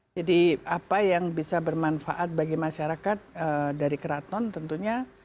jadi apa yang bisa bermanfaat bagi masyarakat dari keraton tentunya